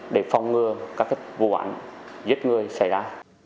để phòng ngừa các vụ án giết người xảy ra